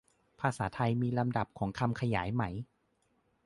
ภาษาไทยมีลำดับของคำขยายไหม